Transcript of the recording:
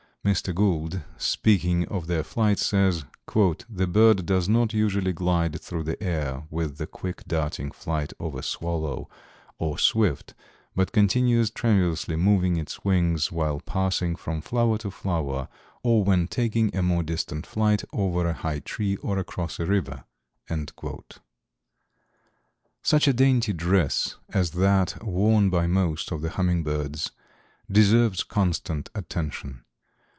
Mr. Gould, speaking of their flight, says "The bird does not usually glide through the air with the quick, darting flight of a swallow or swift, but continues tremulously moving its wings while passing from flower to flower, or when taking a more distant flight over a high tree or across a river." [Illustration: ANNA'S HUMMINGBIRD. (Calypte anna.) Life size. FROM COL. CHI. ACAD. SCIENCES.] Such a dainty dress as that worn by most of the hummingbirds deserves constant attention.